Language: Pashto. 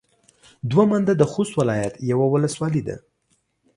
دوه منده د خوست ولايت يوه ولسوالي ده.